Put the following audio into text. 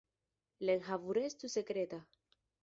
La enhavo restu sekreta.